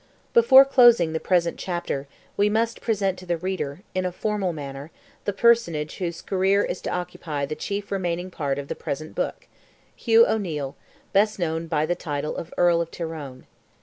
Before closing the present chapter, we must present to the reader, in a formal manner, the personage whose career is to occupy the chief remaining part of the present Book—Hugh O'Neil, best known by the title of Earl of Tyrone.